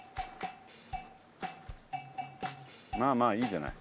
まあまあいいじゃない。